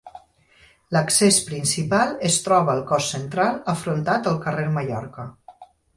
L'accés principal es troba al cos central afrontat al carrer Mallorca.